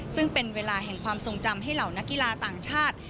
ซึ่งเป็นเวลาแห่งความทรงจำให้เหล่านักกีฬาต่างชาติ